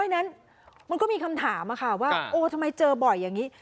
นั้นมันก็มีคำถามว่าโอ้ทำไมเจอบ่อยอย่างนี้